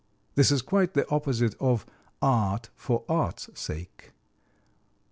This is quite the opposite of "Art for art's sake."